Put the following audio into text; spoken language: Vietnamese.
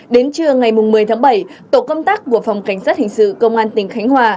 đến trưa ngày một mươi tháng bảy tổ công tác của phòng cảnh sát hình sự công an tỉnh khánh hòa